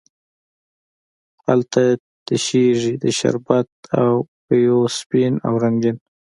هلته تشیږې د شربت او پېو سپین او رنګین،